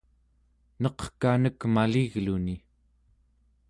neqkanek maligluni